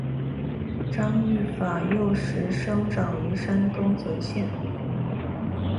张玉法幼时生长于山东峄县。